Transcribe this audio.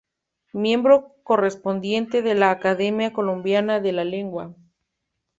Miembro Correspondiente de la Academia Colombiana de la Lengua.